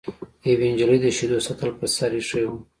یوې نجلۍ د شیدو سطل په سر ایښی و.